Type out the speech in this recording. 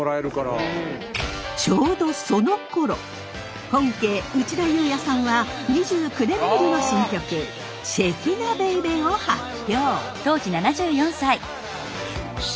ちょうどそのころ本家内田裕也さんは２９年ぶりの新曲「シェキナベイベー」を発表。